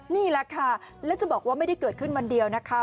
นี่แหละค่ะแล้วจะบอกว่าไม่ได้เกิดขึ้นวันเดียวนะคะ